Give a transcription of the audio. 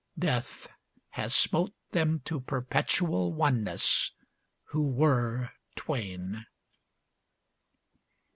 Death has smote Them to perpetual oneness who were twain.